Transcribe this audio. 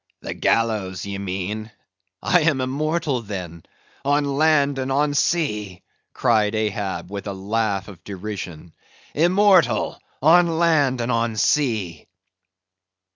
"The gallows, ye mean.—I am immortal then, on land and on sea," cried Ahab, with a laugh of derision;—"Immortal on land and on sea!"